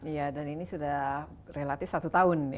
iya dan ini sudah relatif satu tahun ya